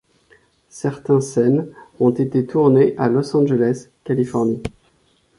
Certains scènes ont été tournées à Los Angeles, Californie.